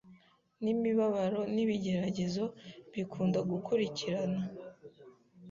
n'imibabaro n'ibigeragezo, bikunda gukurikirana